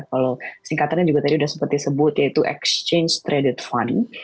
kalau singkatannya juga tadi sudah sempat disebut yaitu exchange traded fund